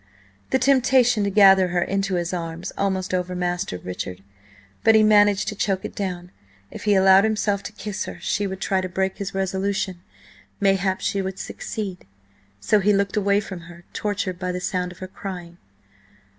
The temptation to gather her into his arms almost overmastered Richard, but he managed to choke it down. If he allowed himself to kiss her, she would try to break his resolution–mayhap, she would succeed. So he looked away from her, tortured by the sound of her crying.